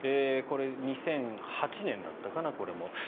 これ、２００８年だったかな。